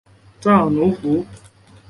大奴湖。